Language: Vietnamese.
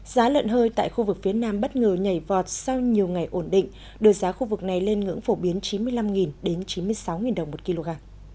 giá lợn hơi tại khu vực phía nam bất ngờ nhảy vọt sau nhiều ngày ổn định đưa giá khu vực này lên ngưỡng phổ biến chín mươi năm đến chín mươi sáu đồng một kg